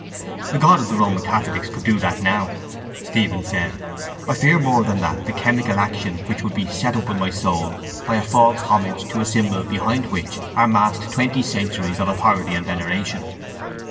—The God of the Roman catholics could do that now, Stephen said. I fear more than that the chemical action which would be set up in my soul by a false homage to a symbol behind which are massed twenty centuries of authority and veneration.